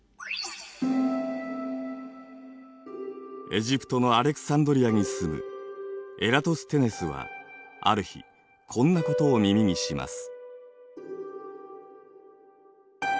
エジプトのアレクサンドリアに住むエラトステネスはある日こんなことを耳にします。